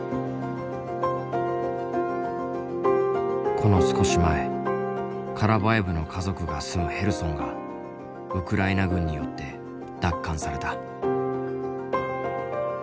この少し前カラヴァエヴの家族が住むヘルソンがウクライナ軍によって奪還された。